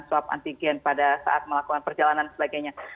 swab antigen pada saat melakukan perjalanan sebagainya